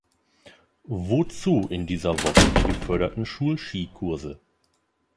Wozu in dieser Woche die geförderten Schulskikurse?